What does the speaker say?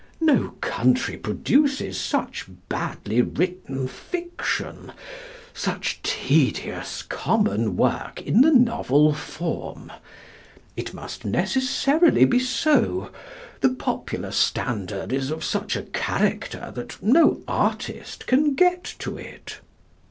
No country produces such badly written fiction, such tedious, common work in the novel form.... It must necessarily be so. The popular standard is of such a character that no artist can get to it.